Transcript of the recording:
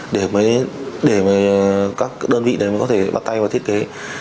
để mới để các đơn vị đấy mới có thể bắt tay vào thiết kế